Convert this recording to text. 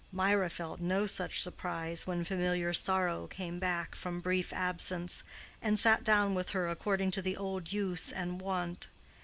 Mirah felt no such surprise when familiar Sorrow came back from brief absence, and sat down with her according to the old use and wont.